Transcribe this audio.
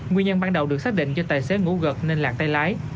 nguyên nhân ban đầu được xác định do tài xế ngủ gật nên lạc tay lái